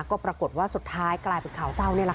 ก็ปรากฏว่าสุดท้ายกลายเป็นข่าวสาวนี่ล่ะค่ะ